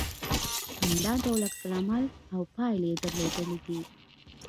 همدا ډول عکس العمل او پايلې يې درلودلې دي